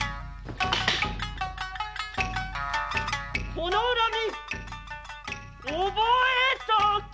「この恨み覚えたか！」